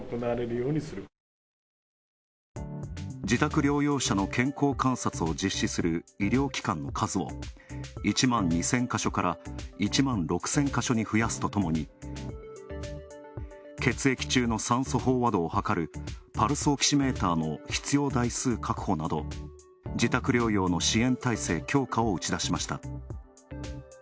自宅療養者の健康観察を実施する医療機関の数を１２００か所から１万６０００か所に増やすとともに血液中の酸素飽和度を測るパルスオキシメーターの必要台数確保など自宅療養の支援体制強化を打ち出しました。